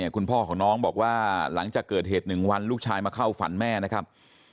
คุณพ่อของน้องบอกว่าหลังจากเกิดเหตุ๑วันลูกชายมาเข้าฝันแม่นะครับ